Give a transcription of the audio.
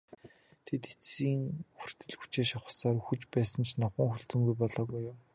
Тэд эцсээ хүртэл хүчээ шавхсаар үхэж байсан ч номхон хүлцэнгүй болоогүй юм.